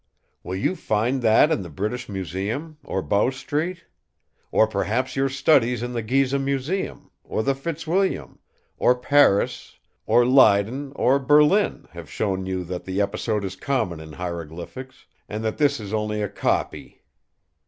Will you find that in the British Museum—or Bow Street? Or perhaps your studies in the Gizeh Museum, or the Fitzwilliam, or Paris, or Leyden, or Berlin, have shown you that the episode is common in hieroglyphics; and that this is only a copy.